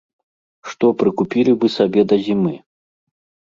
Што прыкупілі бы сабе да зімы?